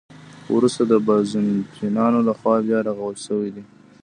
وروسته د بازنطینانو له خوا بیا رغول شوې دي.